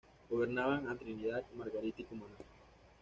Gobernaban a Trinidad, Margarita y Cumaná.